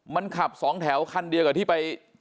มันขับสองแถวคันเดียวกับที่ไป